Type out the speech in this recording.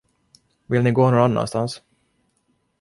Vill ni gå någon annanstans?